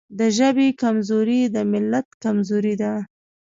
د ژبې کمزوري د ملت کمزوري ده.